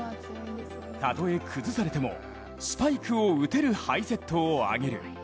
たとえ崩されてもスパイクを打てるハイセットをあげる。